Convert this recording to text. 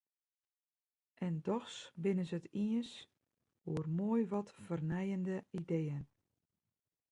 En dochs binne se it iens oer moai wat fernijende ideeën.